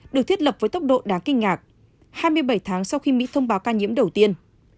được thiết lập với tốc độ đáng kinh ngạc hai mươi bảy tháng sau khi mỹ thông báo ca nhiễm đầu tiên